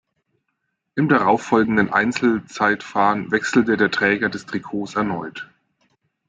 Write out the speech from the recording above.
Im darauffolgenden Einzelzeitfahren wechselte der Träger des Trikots erneut.